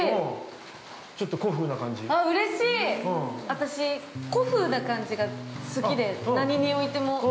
私、古風な感じが好きで何においても。